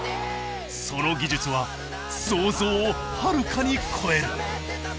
その技術は想像をはるかに超える。